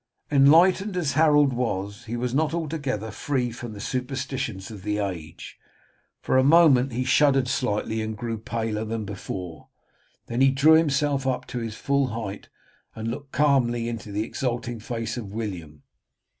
Enlightened as Harold was, he was not altogether free from the superstitions of the age. For a moment he shuddered slightly and grew paler than before, then he drew himself up to his full height, and looked calmly into the exulting face of William.